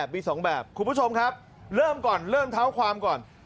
มี๒แบบคุณผู้ชมครับเริ่มก่อนเริ่มเท้าความก่อน